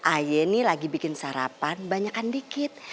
ayah nih lagi bikin sarapan banyakan dikit